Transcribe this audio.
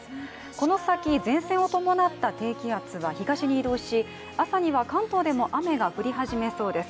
この先、前線を伴った低気圧が東に移動し朝には関東でも雨が降り始めそうです。